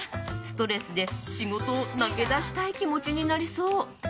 ストレスで仕事を投げ出したい気持ちになりそう。